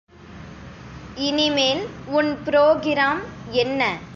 இனிமேல் உன் புரோகிராம் என்ன?